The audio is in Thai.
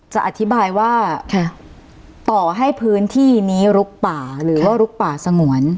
จะอธิบายว่าต่อให้พื้นที่นี้ลุกป่าหรือว่าลุกป่าสงวน